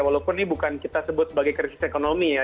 walaupun ini bukan kita sebut sebagai krisis ekonomi ya